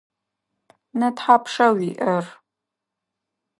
Нэ тхьапша уиӏэр?